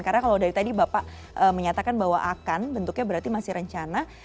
karena kalau dari tadi bapak menyatakan bahwa akan bentuknya berarti masih rencana